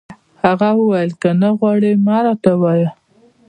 هغه وویل: که نه غواړي، مه راته وایه.